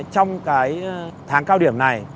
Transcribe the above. trong cái tháng cao điểm này